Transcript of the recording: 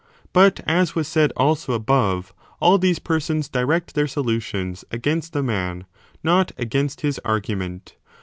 But, as was said also above, 1 all these persons direct their solutions against the man, not against his argument.